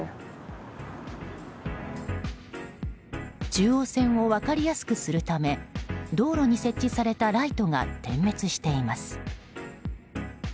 中央線を分かりやすくするため道路に設置されたライトが点滅しています。